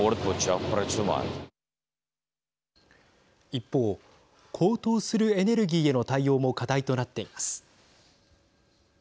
一方、高騰するエネルギーへの対応も課題となっています。